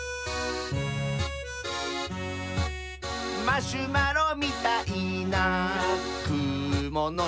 「マシュマロみたいなくものした」